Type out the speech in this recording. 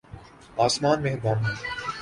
آسمان مہربان ہوں۔